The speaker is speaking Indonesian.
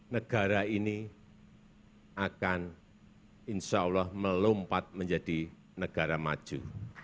negara ini akan insyaallah melompat menjadi negara maju